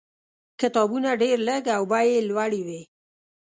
کتابونه ډېر لږ او بیې یې لوړې وې.